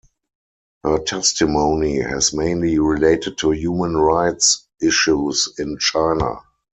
Her testimony has mainly related to Human Rights Issues in China.